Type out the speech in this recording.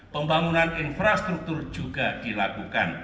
pembangunan infrastruktur juga dilakukan